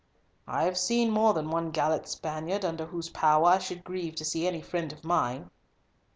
"I have seen more than one gallant Spaniard under whose power I should grieve to see any friend of mine."